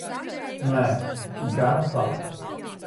Nē, gana faktu.